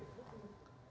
tidak ada sidang etik